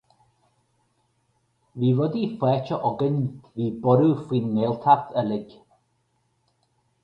Bhí rudaí faighte againn, bhí borradh faoin nGaeltacht uilig.